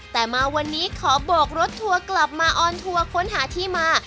แต่มาวันนี้ขอโบกรถทัวร์กลับมาออนทัวร์ค้นหาที่มา